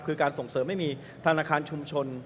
คือการส่งเสริมให้มีธนาคารชุมชน